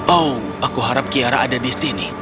oh aku harap kiara ada di sini